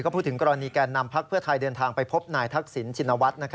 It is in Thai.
พูดถึงกรณีแก่นนำพักเพื่อไทยเดินทางไปพบนายทักษิณชินวัฒน์